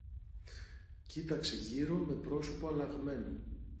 Κοίταξε γύρω με πρόσωπο αλλαγμένο.